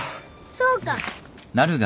そうか。